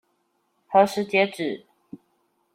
何時截止？